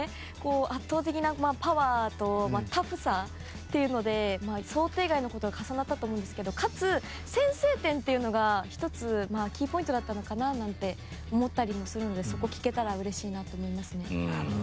圧倒的なパワーとタフさというので想定外のことが重なったと思うんですけどかつ、先制点っていうのが１つ、キーポイントだったのかななんて思ったりもするんでそこを聞けたらうれしいなと思います。